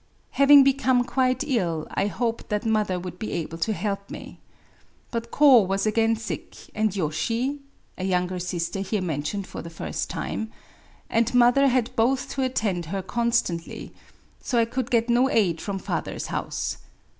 i^ f^ f^ f^ f^ m — Having become quite ill, I hoped that mother would be able to help me. But Ko was again sick, and Yoshi [a younger sister here tnentUmdfnr the first time^ and mother had both to attend her constantly : so I could get no aid from father's bouse.